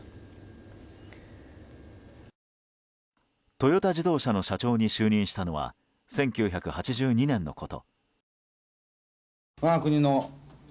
トヨタ自動車の社長に就任したのは１９８２年のこと。